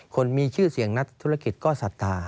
คนมีชื่อเสียงนักธุรกิจก็ศรัทธา